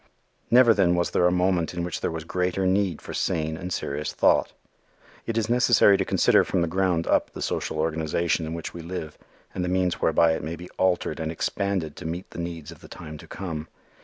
Never then was there a moment in which there was greater need for sane and serious thought. It is necessary to consider from the ground up the social organization in which we live and the means whereby it may be altered and expanded to meet the needs of the time to come.